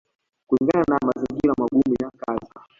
kulingana na mazingira magumu ya kazi